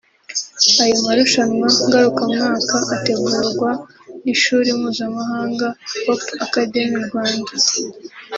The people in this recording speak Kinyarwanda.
Ayo marushanwa ngarukamwaka ategurwa n’ishuri mpuzamahanga Hope Academy Rwanda